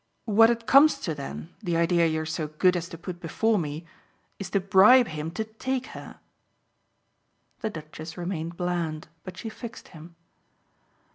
"What it comes to then, the idea you're so good as to put before me, is to bribe him to take her." The Duchess remained bland, but she fixed him.